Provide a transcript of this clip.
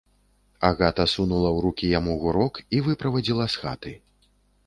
Агата сунула ў рукі яму гурок і выправадзіла з хаты.